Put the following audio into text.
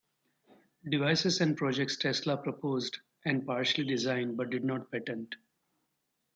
Devices and projects Tesla proposed and partially designed but did not patent.